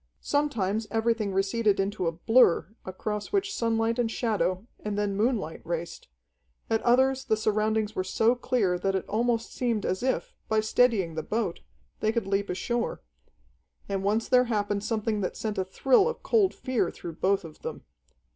Sometimes everything receded into a blur, across which sunlight and shadow, and then moonlight raced, at others the surroundings were so clear that it almost seemed as if, by steadying the boat, they could leap ashore. And once there happened something that sent a thrill of cold fear through both of them.